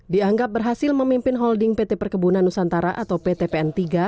dianggap berhasil memimpin holding pt perkebunan nusantara atau pt pn tiga